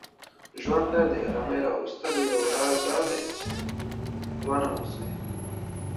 ژوند ته د آرامۍ د راوستلو یو راز دا دی، چې محربانه اوسئ